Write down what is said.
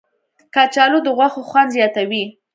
کچالو د غوښو خوند زیاتوي